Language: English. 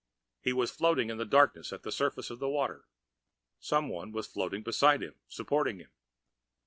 He was floating in the darkness at the surface of the water. Someone was floating beside him, supporting him.